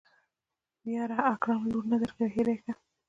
يره اکرم لور نه درکوي هېره يې که.